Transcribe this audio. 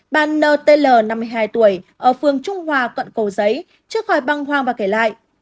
bà n t l năm mươi hai tuổi ở phương trung hoa cận cầu giấy trước khỏi băng hoang và kể lại